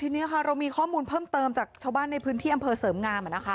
ทีนี้ค่ะเรามีข้อมูลเพิ่มเติมจากชาวบ้านในพื้นที่อำเภอเสริมงาม